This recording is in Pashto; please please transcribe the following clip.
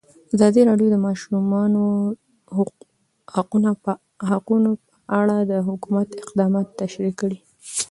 ازادي راډیو د د ماشومانو حقونه په اړه د حکومت اقدامات تشریح کړي.